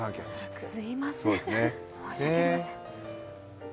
すいません、申し訳ありません。